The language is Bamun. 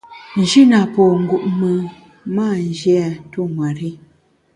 N’ji na po ngup mùn, m’a nji a tu nwer-i.